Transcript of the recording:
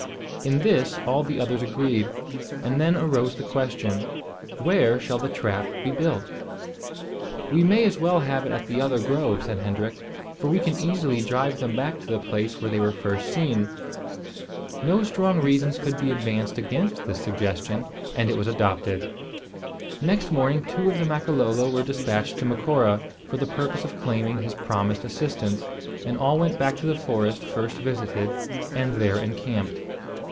In this all the others agreed; and then arose the question. Where shall the trap be built? "We may as well have it at the other grove," said Hendrik, "for we can easily drive them back to the place where they were first seen." No strong reasons could be advanced against this suggestion, and it was adopted. Next morning two of the Makololo were despatched to Macora, for the purpose of claiming his promised assistance; and all went back to the forest first visited, and there encamped.